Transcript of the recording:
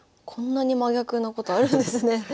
こんなに真逆なことあるんですね。